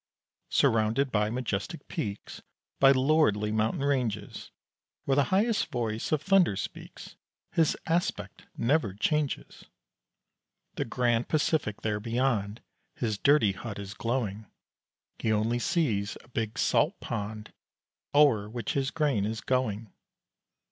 Surrounded by majestic peaks, By lordly mountain ranges, Where highest voice of thunder speaks His aspect never changes. The grand Pacific there beyond His dirty hut is glowing: He only sees a big salt pond, O'er which his grain is going.